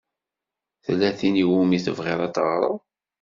Tella tin i wumi tebɣiḍ ad teɣṛeḍ?